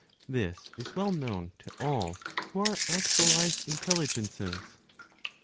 This is well known to all who are actualized intelligences.